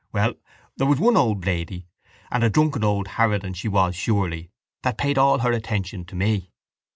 Well there was one old lady, and a drunken old harridan she was surely, that paid all her attention to me.